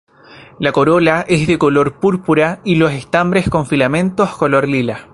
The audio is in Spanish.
La corola es de color púrpura y los estambres con filamentos color lila.